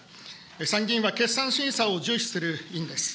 参議院は決算審査を重視する委員です。